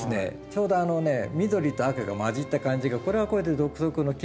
ちょうどあのね緑と赤が混じった感じがこれはこれで独特のきれいさがあって。